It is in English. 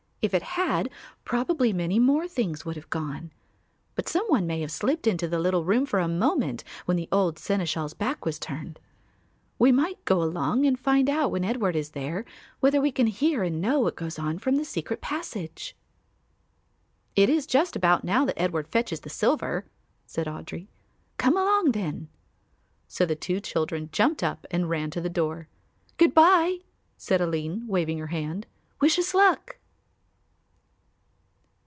If it had, probably many more things would have gone. But some one may have slipped into the little room for a moment when the old seneschal's back was turned. We might go along and find out when Edward is there, whether we can hear and know what goes on from the secret passage." "It is just about now that Edward fetches the silver," said Audry. "Come along then." So the two children jumped up and ran to the door. "Good bye," said Aline, waving her hand, "wish us luck."